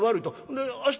んで明日